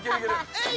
えい！